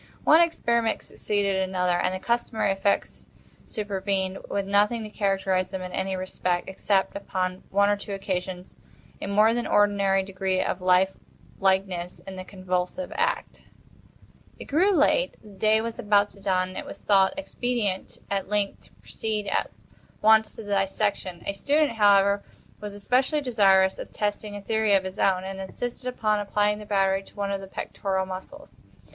One experiment succeeded another, and the customary effects supervened, with nothing to characterize them in any respect, except, upon one or two occasions, a more than ordinary degree of life likeness in the convulsive action. It grew late. The day was about to dawn; and it was thought expedient, at length, to proceed at once to the dissection. A student, however, was especially desirous of testing a theory of his own, and insisted upon applying the battery to one of the pectoral muscles.